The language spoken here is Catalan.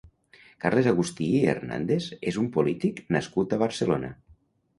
Carles Agustí i Hernàndez és un polític nascut a Barcelona.